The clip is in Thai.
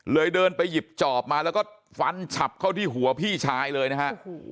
เดินไปหยิบจอบมาแล้วก็ฟันฉับเข้าที่หัวพี่ชายเลยนะฮะ